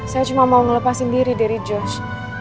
saya cuma mau ngelepasin diri dari josh